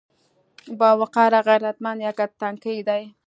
باوقاره، غيرتمن يا که تنکي دي؟